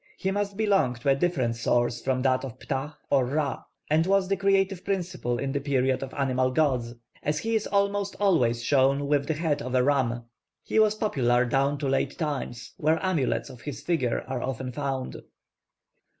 He must belong to a different source from that of Ptah or Ra, and was the creative principle in the period of animal gods, as he is almost always shown with the head of a ram. He was popular down to late times, where amulets of his figure are often found.